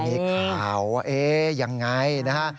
มีข่าวว่าเอ๊ะยังไงนะฮะ